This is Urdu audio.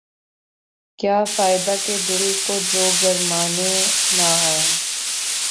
کیا فائدہ کہ دل کو جو گرمانے نہ آئیں